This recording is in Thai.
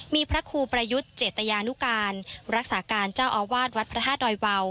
มีพระครูประยุทธ์เจตยานุการรักษาการเจ้าอาวาสวัดพระธาตุดอยเบา